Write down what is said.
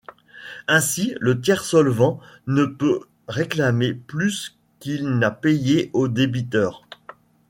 Ainsi, le tiers solvens ne peut réclamer plus qu'il n'a payé au débiteur.